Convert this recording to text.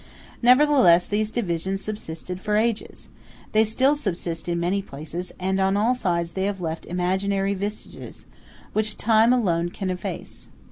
Nevertheless these divisions subsisted for ages; they still subsist in many places; and on all sides they have left imaginary vestiges, which time alone can efface.